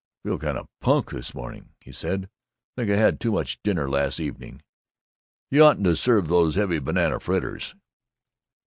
"I feel kind of punk this morning," he said. "I think I had too much dinner last evening. You oughtn't to serve those heavy banana fritters."